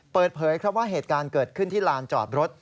เปิดเผยครับว่าเหตุการณ์เกิดขึ้นที่ลานจอดรถ